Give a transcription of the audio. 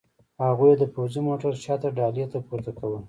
هغوی یې د پوځي موټر شاته ډالې ته پورته کول